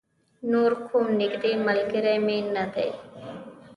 نور کوم نږدې ملگری مې نه دی.